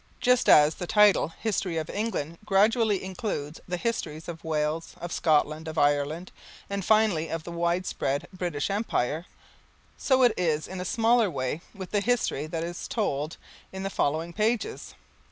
Just as the title "History of England" gradually includes the histories of Wales, of Scotland, of Ireland, and finally of the widespread British Empire, so is it in a smaller way with the history that is told in the following pages.